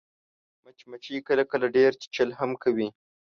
مچمچۍ کله کله ډېر چیچل هم کوي